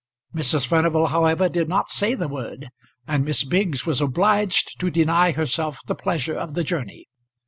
Mrs. Furnival however did not say the word, and Miss Biggs was obliged to deny herself the pleasure of the journey.